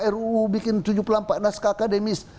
tujuh puluh empat ruu bikin tujuh puluh empat naskah akademis